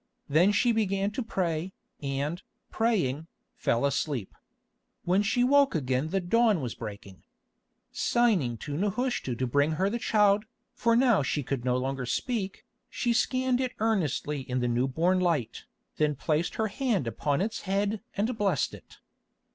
Then she began to pray, and, praying, fell asleep. When she woke again the dawn was breaking. Signing to Nehushta to bring her the child, for now she could no longer speak, she scanned it earnestly in the new born light, then placed her hand upon its head and blessed it.